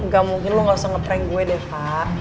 gak mungkin lo gak usah nge prank gue deh pak